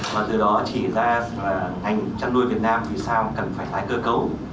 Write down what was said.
và từ đó chỉ ra là ngành chăn nuôi việt nam thì sao cần phải tái cơ cấu